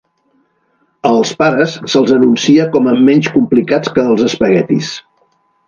Als pares se'ls anuncia com "menys complicats" que els espaguetis.